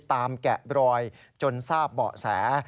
แกะบรอยจนทราบเบาะแส